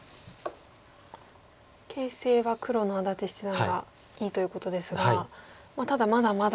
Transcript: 形勢は黒の安達七段がいいということですがただまだまだ。